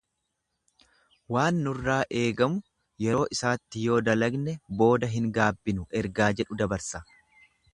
Waan nurraa eegamu yeroo isaatti yoo dalagne booda hin gaabbinu ergaa jedhu dabarsa.